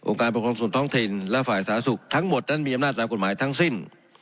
การปกครองส่วนท้องถิ่นและฝ่ายสาธารณสุขทั้งหมดนั้นมีอำนาจตามกฎหมายทั้งสิ้น